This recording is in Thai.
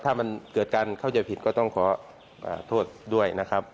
ถ้ามันเกิดการเข้าใจผิดก็ต้องขอโทษด้วยนะครับ